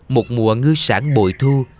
một mùa ngư sản bội thu